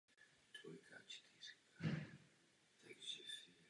Od šedesátých let používala jako hlavní součást tvorby své vlastní nahé tělo.